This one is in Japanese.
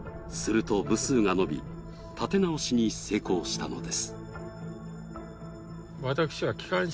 すると部数が伸び、立て直しに成功したのです。